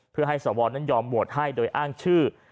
เพื่อให้สวนั้นยอมโหวตให้โดยอ้างชื่อ